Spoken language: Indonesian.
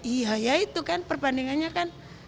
iya ya itu kan perbandingannya kan